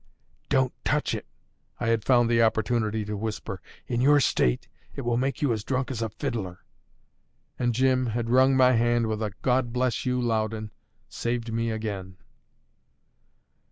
"Don't touch it," I had found the opportunity to whisper; "in your state it will make you as drunk as a fiddler." And Jim had wrung my hand with a "God bless you, Loudon! saved me again!"